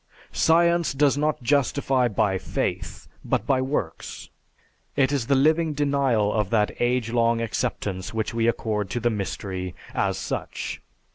"Science does not justify by faith, but by works. It is the living denial of that age long acceptance which we accord to the mystery as such.